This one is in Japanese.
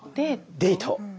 デート？